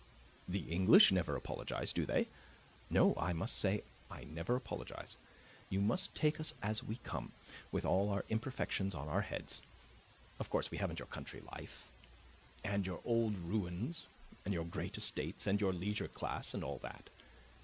The English never apologize do they? No; I must say I never apologize. You must take us as we come with all our imperfections on our heads. Of course we haven't your country life, and your old ruins, and your great estates, and your leisure class, and all that.